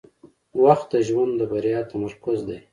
• وخت د ژوند د بریا تمرکز دی.